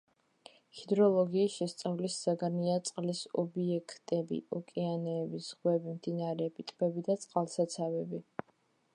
ჰიდროლოგიის შესწავლის საგანია წყლის ობიექტები: ოკეანეები, ზღვები, მდინარეები, ტბები და წყალსაცავები.